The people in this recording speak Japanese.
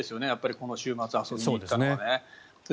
この週末、遊びに行ったのはね。